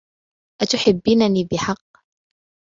أتحبينني بحق ؟